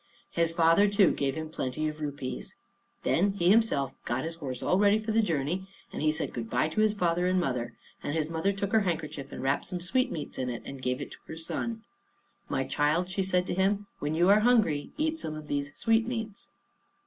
His father, too, gave him plenty of rupees. Then he himself got his horse all ready for the journey, and he said good by to his father and mother; and his mother took her handkerchief and wrapped some sweetmeats in it, and gave it to her son. "My child," she said to him, "when you are hungry eat some of these sweetmeats."